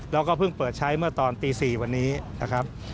แล้วก็เพิ่งเปิดใช้เมื่อตอนตี๔วันนี้นะครับ